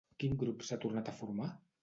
Quin grup s'ha tornat a formar?